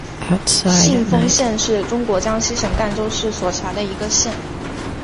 信丰县是中国江西省赣州市所辖的一个县。